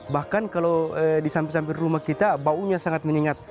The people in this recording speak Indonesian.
bahkan kalau di samping samping rumah kita baunya sangat menyengat